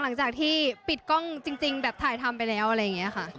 หลังจากที่ปิดกล้องจริงแบบถ่ายทำไปแล้วอะไรอย่างนี้ค่ะ